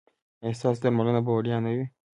ایا ستاسو درملنه به وړیا نه وي؟